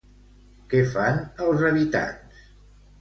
Què fan els habitants?